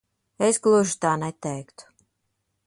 Es gluži tā neteiktu.